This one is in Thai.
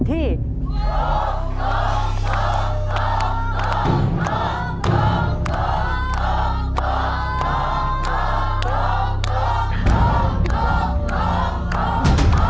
โด่ง